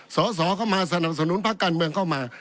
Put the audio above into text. สอสอเข้ามาสนับสนุนพักการเมืองเข้ามา